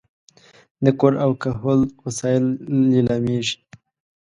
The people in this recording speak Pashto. د کور او کهول وسایل لیلامېږي.